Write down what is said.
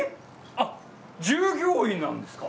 あっ従業員なんですか？